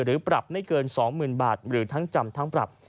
หรือปรับไม่เกิน๒๐๐๐บาทหรือทั้งจำทั้งปรับ